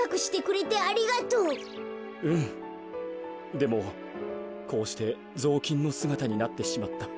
でもこうしてぞうきんのすがたになってしまった。